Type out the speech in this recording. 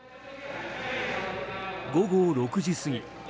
午後６時過ぎ。